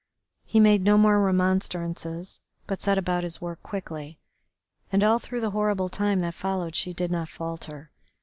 He made no more remonstrances, but set about his work quickly. And all through the horrible time that followed she did not falter.